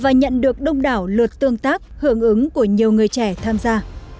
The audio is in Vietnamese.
và nhận được đông đảo lượt tương tác hưởng ứng của nhiều người trẻ tham gia